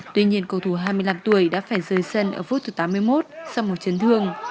tuy nhiên cầu thủ hai mươi năm tuổi đã phải rời sân ở phút thứ tám mươi một sau một chấn thương